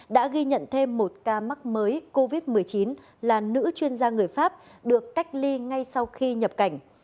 đã ghi nhận thêm một ca mắc mới covid một mươi chín là nữ chuyên gia người pháp được cách ly ngay sau khi nhập cảnh